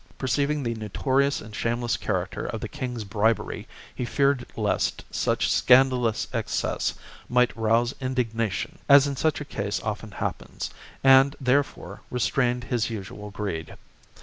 Perceiving the notorious and shameless character of the king's bribery, he feared lest such scandalous excess might rouse indignation, as in such a case often happens, and, therefore, CHAP, restrained his usual greed.